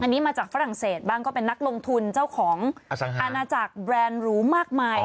อันนี้มาจากฝรั่งเศสบ้างก็เป็นนักลงทุนเจ้าของอาณาจักรแบรนด์หรูมากมาย